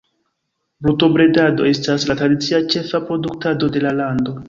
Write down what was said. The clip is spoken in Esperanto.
Brutobredado estas la tradicia ĉefa produktado de la lando.